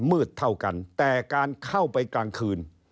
มืดเท่ากันแต่การเข้าไปกลางคืน